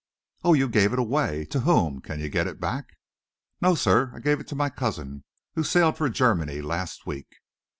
"Oh, you gave it away! To whom? Can you get it back?" "No, sir; I gave it to my cousin, who sailed for Germany last week."